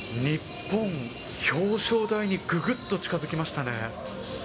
日本、表彰台にぐぐっと近づきましたね。